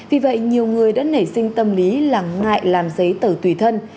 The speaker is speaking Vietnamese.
vì vậy nhiều người đã nảy sinh tâm lý là ngại làm giấy tờ tùy thân